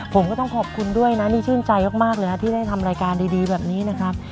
ผมก็ต้องขอบคุณด้วยนะนี่ชื่นใจมากเลยนะที่ได้ทำรายการดีแบบนี้นะครับ